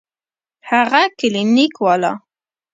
هغه کلينيک والا.